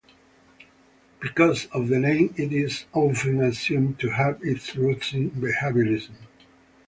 Because of the name it is often assumed to have its roots in behaviorism.